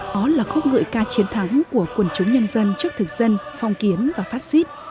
đó là khúc ngợi ca chiến thắng của quần chúng nhân dân trước thực dân phong kiến và phát xít